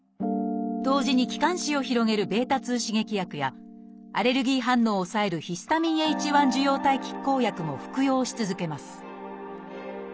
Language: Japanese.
同時に気管支を広げるβ刺激薬やアレルギー反応を抑えるヒスタミンＨ受容体拮抗薬も服用し続けます